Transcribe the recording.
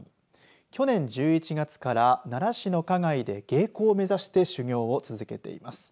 去年１１月から奈良市の花街で芸妓を目指して修行を続けています。